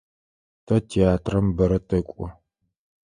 Тэ театрэм бэрэ тэкӏо.